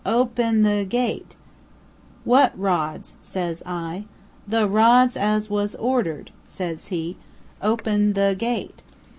Open the gate.' 'What rods?' says I. 'The rods as was ordered,' says he, 'open the gate.'